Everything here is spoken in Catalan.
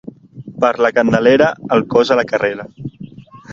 Per la Candelera, el cos a la carrera.